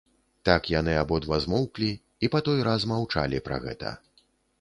Так яны абодва змоўклі і па той раз маўчалі пра гэта.